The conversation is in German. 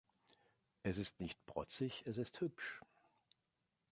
Es ist nicht protzig, es ist hübsch.